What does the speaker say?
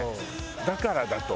だからだと思う。